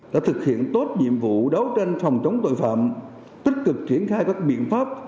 đã thực hiện tốt nhiệm vụ đấu tranh phòng chống tội phạm tích cực triển khai các biện pháp